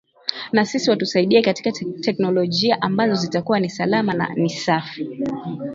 na sisi watusaidie katika technologia ambazo zitakuwa ni salama na ni safi